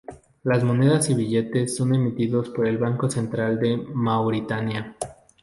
Las monedas y billetes son emitidos por el Banco Central de Mauritania.